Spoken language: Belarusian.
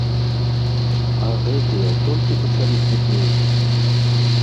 А гэтыя, толькі пачалі квітнець!